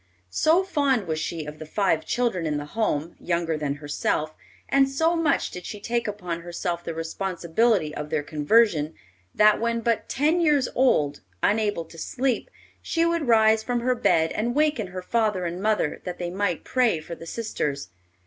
So fond was she of the five children in the home, younger than herself, and so much did she take upon herself the responsibility of their conversion, that when but ten years old, unable to sleep, she would rise from her bed and waken her father and mother that they might pray for the sisters.